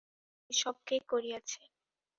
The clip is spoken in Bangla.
এ-সব কে করিয়াছে?